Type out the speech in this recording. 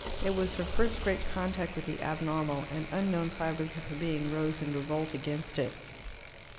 It was her first great contact with the abnormal, and unknown fibres of her being rose in revolt against it.